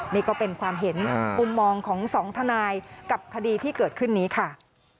นี่ก็เป็นความเห็นมุมมองของสองทนายกับคดีที่เกิดขึ้นนี้ค่ะ